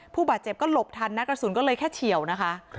ผู้บาดเจ็บก็หลบทันนะกระสุนก็เลยแค่เฉียวนะคะ